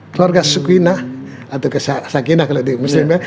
keluarga sukina atau sakinah kalau di muslimnya